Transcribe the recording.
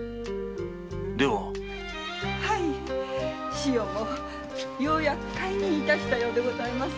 志保もようやく懐妊したようでございます。